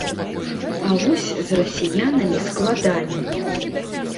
А вось з расіянамі складаней.